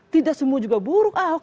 tidak semua juga buruk ahok